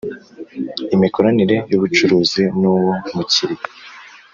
imikoranire y ubucuruzi nuwo mukiriya.